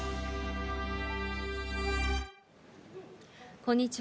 こんにちは。